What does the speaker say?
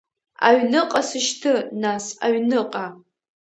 Аҩныҟа сышьҭы, нас, аҩныҟа!